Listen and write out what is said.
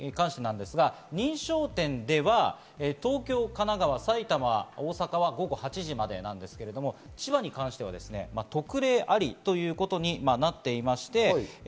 認証店では東京、神奈川、埼玉、大阪は午後８時までですが、千葉に関しては特例ありということになっていました。